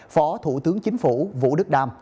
phó thủ tướng chính phủ vũ đức đam